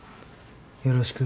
よろしく。